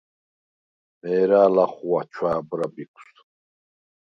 მე̄რა̄̈ლ ახღუ̂ა ჩუ̂ა̄ბრა ბიქუ̂ს.